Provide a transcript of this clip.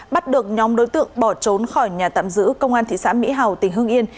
bắt được nhóm đối tượng bỏ trốn khỏi nhà tạm giữ công an thị xã mỹ hào tỉnh hưng yên